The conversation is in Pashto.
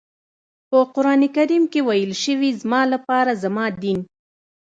په قرآن کریم کې ويل شوي زما لپاره زما دین.